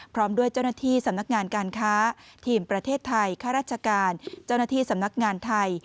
พร้อมด้วยเจ้าหน้าที่สำนักงานการค้าทีมประเทศไทยข้าราชการเจ้าหน้าที่สำนักงานไทย